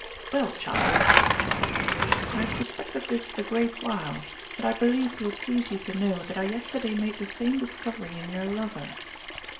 'Well, child,' she said, 'I have suspected this a great while, and I believe it will please you to know that I yesterday made the same discovery in your lover.